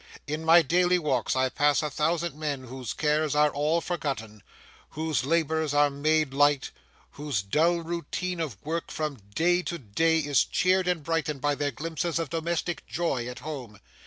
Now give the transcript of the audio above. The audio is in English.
In my daily walks I pass a thousand men whose cares are all forgotten, whose labours are made light, whose dull routine of work from day to day is cheered and brightened by their glimpses of domestic joy at home.